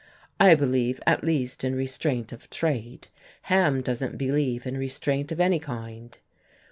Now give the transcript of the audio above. "I believe, at least, in restraint of trade. Ham doesn't believe in restraint of any kind."